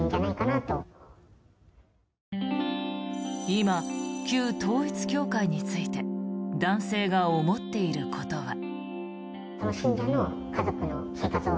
今、旧統一教会について男性が思っていることは。